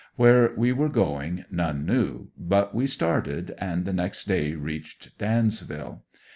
Where we were going none knew ; but we started and the next day reached Dansville.